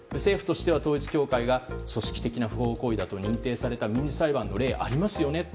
統一教会が組織的な不法行為だと認定された民事裁判の例はありますよね。